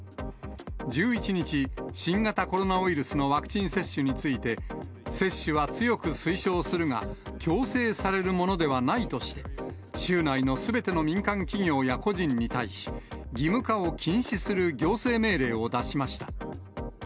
１１日、新型コロナウイルスのワクチン接種について、接種は強く推奨するが、強制されるものではないとして、州内のすべての民間企業や個人に対し、義務化を禁止する行政命令を出しました。